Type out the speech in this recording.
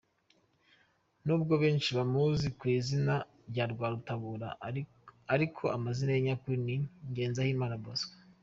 Nubwo benshi bamuzi ku izina rya Rwarutabura ariko amazina ye nyakuri ni Ngenzahimana Bosco.